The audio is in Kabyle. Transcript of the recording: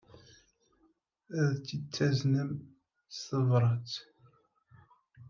Ad t-id-taznem s tebṛat?